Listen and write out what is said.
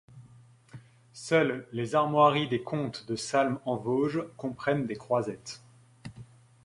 Seules les armoiries des comtes de Salm-en-Vosges comprennent des croisettes.